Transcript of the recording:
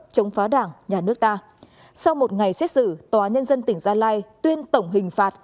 chống phá đảng nhà nước ta sau một ngày xét xử tòa nhân dân tỉnh gia lai tuyên tổng hình phạt